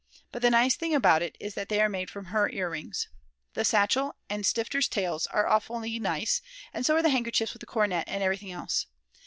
But the nice thing about it is that they are made from her earrings. The satchel and Stifter's Tales are awfully nice and so are the handkerchiefs with the coronet and everything else.